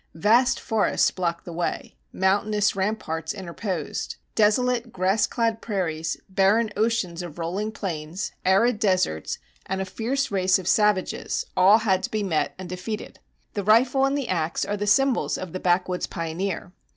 Vast forests blocked the way; mountainous ramparts interposed; desolate, grass clad prairies, barren oceans of rolling plains, arid deserts, and a fierce race of savages, all had to be met and defeated. The rifle and the ax are the symbols of the backwoods pioneer.